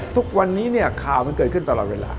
ทุกวันนี้เนี่ยข่าวมันเกิดขึ้นตลอดเวลา